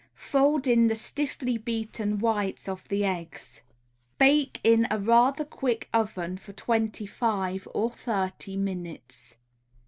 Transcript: Fold in the stiffly beaten whites of the eggs. Bake in a rather quick oven for twenty five or thirty minutes.